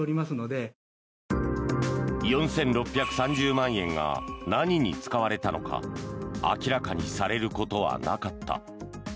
４６３０万円が何に使われたのか明らかにされることはなかった。